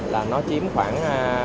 là nó chiếm khoảng năm mươi sáu mươi